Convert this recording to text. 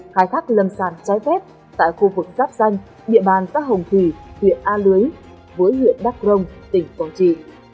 khai thác lâm sàn trái phép tại khu vực giáp danh địa bàn xã hồng thủy huyện a lưới với huyện đắk rông tỉnh quảng trị